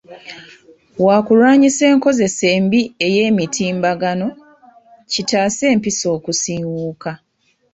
Wa kulwanyisa enkozesa embi ey'emitimbagano, kitaase empisa okusiiwuuka.